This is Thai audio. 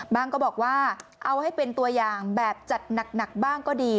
ก็บอกว่าเอาให้เป็นตัวอย่างแบบจัดหนักบ้างก็ดี